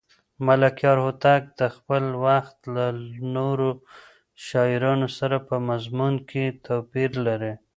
ملکیار هوتک د خپل وخت له نورو شاعرانو سره په مضمون کې توپیر لري.